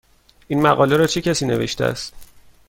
این مقاله را چه کسی نوشته است؟